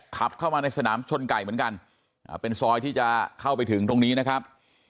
ขับเข้ามาในสนามชนไก่เหมือนกันเป็นซอยที่จะเข้าไปถึงตรงนี้นะครับ